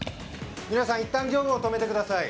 皆さんいったん業務を止めてください。